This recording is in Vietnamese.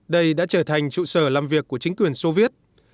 đây đã trở thành trụ sở làm việc của chính quyền soviet